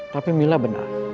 tapi mila benar